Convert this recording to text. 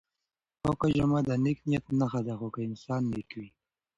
پاکه جامه د نېک نیت نښه ده خو که انسان نېک وي.